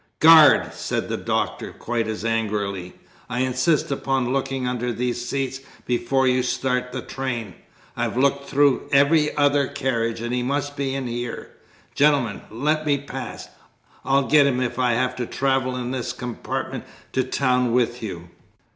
"Guard!" said the Doctor, quite as angrily, "I insist upon looking under these seats before you start the train. I've looked through every other carriage and he must be in here. Gentlemen, let me pass, I'll get him if I have to travel in this compartment to town with you!"